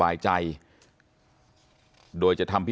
ท่านผู้ชมครับ